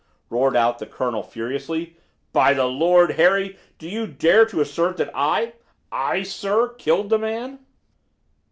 roared out the colonel furiously. "By the Lord Harry, do you dare to assert that I I sir killed the man?"